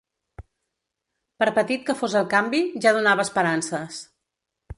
Per petit que fos el canvi, ja donava esperances.